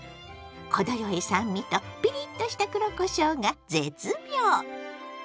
程よい酸味とピリッとした黒こしょうが絶妙！